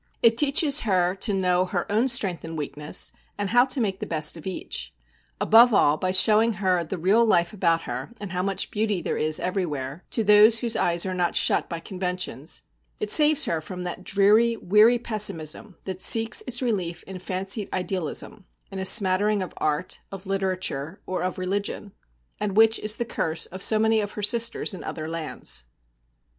It teaches her to know her own strength and weakness, and how to make the best of each. Above all, by showing her the real life about her, and how much beauty there is everywhere, to those whose eyes are not shut by conventions, it saves her from that dreary, weary pessimism that seeks its relief in fancied idealism, in a smattering of art, of literature, or of religion, and which is the curse of so many of her sisters in other lands.